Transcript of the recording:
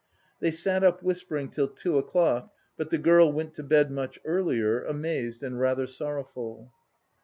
They sat up whispering till two o'clock, but the girl went to bed much earlier, amazed and rather sorrowful.